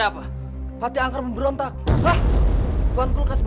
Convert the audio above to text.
bagaimana kalau nanti kamu dihukum mati